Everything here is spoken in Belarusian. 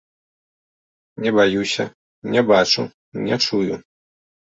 Не баюся, не бачу, не чую.